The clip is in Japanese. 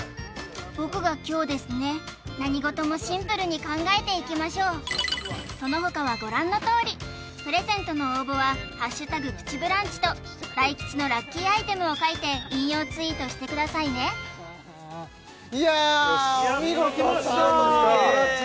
僕が凶ですね何事もシンプルに考えていきましょうそのほかはご覧のとおりプレゼントの応募は「＃プチブランチ」と大吉のラッキーアイテムを書いて引用ツイートしてくださいねいやお見事３人大吉！